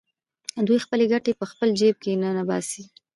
دوی خپلې ګټې په خپل جېب کې ننباسي